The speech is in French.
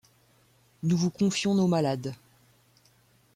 Nous vous confions nos malades.